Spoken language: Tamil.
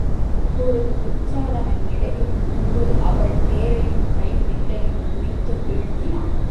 அப்பொழுது துச்சாதனன் இடையில் புகுந்து அவள் தேரையும் கை வில்லையும் முறித்து வீழ்த்தினான்.